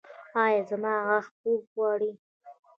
ایا زما غاښ پوښ غواړي؟